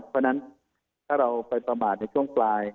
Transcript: เพราะฉะนั้นถ้าเราไปประมาทในช่วงปลาย